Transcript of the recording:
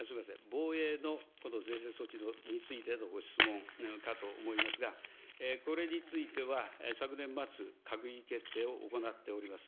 防衛の是正措置についてのご質問かと思いますが、これについては昨年末、閣議決定を行っております。